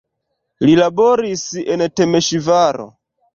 Li laboris en Temeŝvaro.